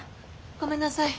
ごめんなさい。